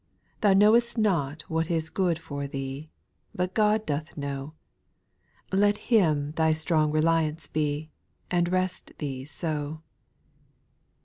Thou know'st not what is good for thee. But God doth know, — Let Him thy strong reliance be, And rest thee so.